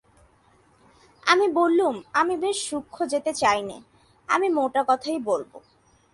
আমি বললুম, আমি বেশি সূক্ষ্মে যেতে চাই নে, আমি মোটা কথাই বলব।